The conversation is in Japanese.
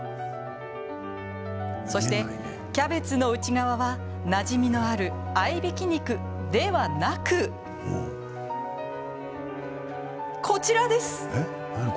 キャベツの内側はなじみのある合いびき肉ではなくこちらです。